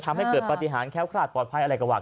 ทำให้เกิดปฏิหารแค้วคลาดปลอดภัยอะไรก็ว่า